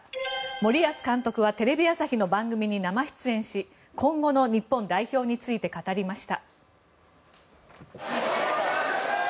森保監督はテレビ朝日の番組に生出演し今後の日本代表について語りました。